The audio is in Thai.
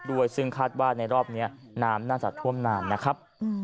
ด้วยซึ่งคาดว่าในรอบนี้น้ำน่าจะท่วมนานนะครับ